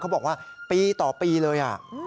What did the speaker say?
บอกว่าปีต่อปีเลย